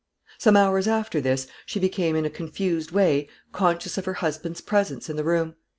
Some hours after this, she became in a confused way conscious of her husband's presence in the room.